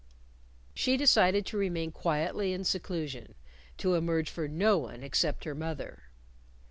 She decided to remain quietly in seclusion; to emerge for no one except her mother.